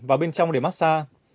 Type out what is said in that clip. vào bên trong để massage